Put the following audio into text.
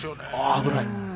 危ない。